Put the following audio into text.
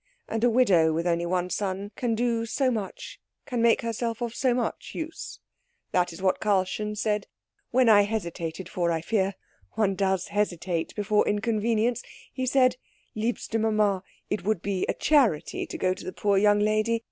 And a widow with only one son can do so much, can make herself of so much use. That is what Karlchen said. When I hesitated for I fear one does hesitate before inconvenience he said, 'Liebste Mama, it would be a charity to go to the poor young lady.